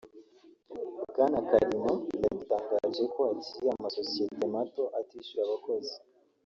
Bwana Kalima yadutangarije ko hakiri amasosiyete mato atishyura abakozi